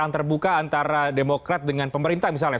yang terbuka antara demokrat dengan pemerintah misalnya